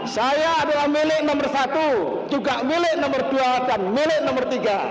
saya adalah milik nomor satu juga milik nomor dua dan milik nomor tiga